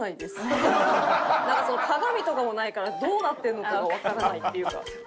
なんかその鏡とかもないからどうなってるのかがわからないっていうか。